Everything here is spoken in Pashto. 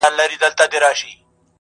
o دوه زړونه په سترگو کي راگير سوله.